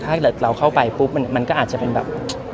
ถ้าเกิดเราเข้าไปปุ๊บมันก็อาจจะเป็นแบบ